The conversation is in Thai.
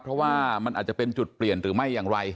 เพราะว่ามันอาจจะเป็นจุดเปลี่ยนหรือไม่อย่างไร